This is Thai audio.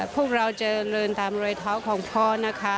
พวกเราจะลืนตามรวยเทาของพ่อนะคะ